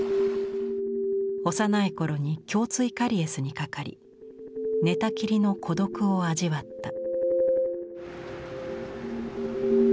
幼い頃に胸椎カリエスにかかり寝たきりの孤独を味わった。